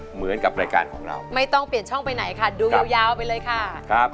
เหมือนกับรายการของเราไม่ต้องเปลี่ยนช่องไปไหนค่ะดูยาวไปเลยค่ะครับ